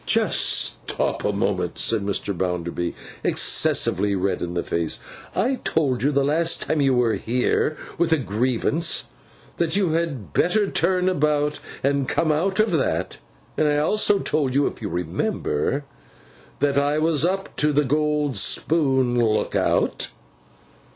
'Just stop a moment,' said Mr. Bounderby, excessively red in the face. 'I told you, the last time you were here with a grievance, that you had better turn about and come out of that. And I also told you, if you remember, that I was up to the gold spoon look out.